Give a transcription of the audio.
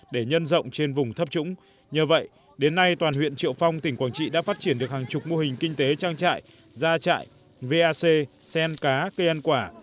đến nay toàn huyện triệu phong tỉnh quảng trị đã phát triển được hàng chục mô hình kinh tế trang trại gia trại vac sen cá cây ăn quả